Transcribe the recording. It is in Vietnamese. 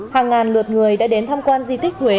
hàng ngàn lượt người đã đến tham quan di tích huế